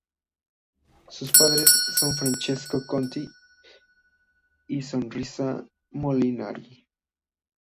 Sus padres son Francesco Conti y Rosina Molinari.